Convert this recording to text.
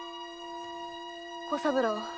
小三郎。